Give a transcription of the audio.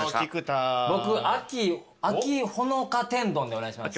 僕秋ほのか天丼でお願いします。